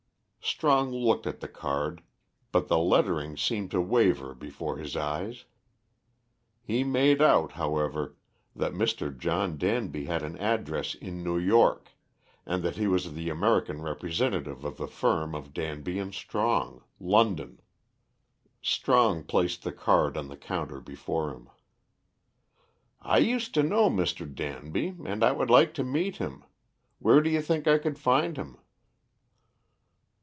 Strong looked at the card, but the lettering seemed to waver before his eyes. He made out, however, that Mr. John Danby had an address in New York, and that he was the American representative of the firm of Danby and Strong, London. Strong placed the card on the counter before him. "I used to know Mr. Danby, and I would like to meet him. Where do you think I could find him?"